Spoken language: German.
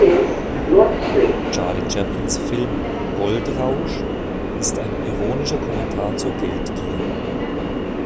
Charlie Chaplins Film "Goldrausch" ist ein ironischer Kommentar zur Geldgier.